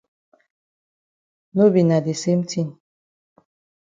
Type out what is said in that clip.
No be na de same tin.